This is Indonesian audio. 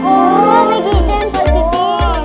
oh begitu ya positi